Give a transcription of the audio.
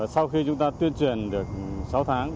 sau khi chúng ta tuyên truyền được sáu tháng